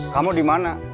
kamu di mana